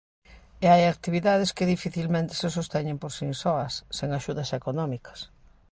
E hai actividades que dificilmente se sosteñen por si soas, sen axudas económicas.